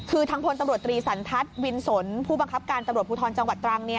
คือทางพลตำรวจตรีสันทัศน์วินสนผู้บังคับการตำรวจภูทรจังหวัดตรัง